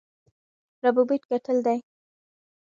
ربوبیت ګټل دی.